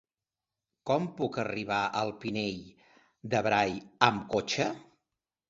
Com puc arribar al Pinell de Brai amb cotxe?